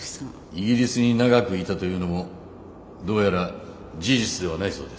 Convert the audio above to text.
イギリスに長くいたというのもどうやら事実ではないそうです。